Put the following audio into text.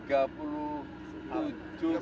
oke ya selamat sukses